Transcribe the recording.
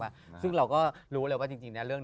พี่ยังไม่ได้เลิกแต่พี่ยังไม่ได้เลิก